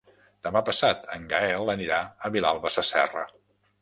Demà passat en Gaël anirà a Vilalba Sasserra.